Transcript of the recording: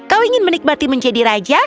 kau ingin menikmati menjadi raja